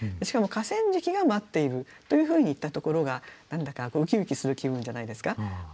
しかも河川敷が待っているというふうに言ったところが何だかうきうきする気分じゃないですか。